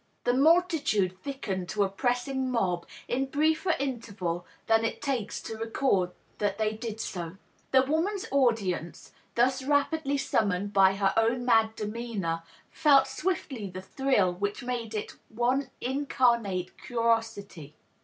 The multitude thickened to a pressing mob in briefer interval than it takes to record that they did so. The woman's audience, thus rapidly summoned by her own mad demeanor, felt swifl; ly the thrill which made it one incarnate curiosity.